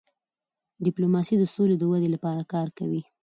ډيپلوماسي د سولې د ودی لپاره کار کوي.